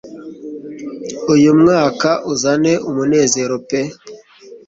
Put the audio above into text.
Uyu mwaka uzane umunezero pe